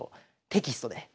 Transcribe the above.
テキストで。